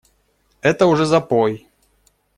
Это уже запой!